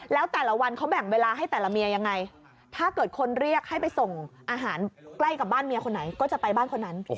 แล้วแต่ละวันเขาแบ่งเวลาให้แต่ละเมียยังไงถ้าเกิดคนเรียกให้ไปส่งอาหารใกล้กับบ้านเมียคนไหนก็จะไปบ้านคนนั้น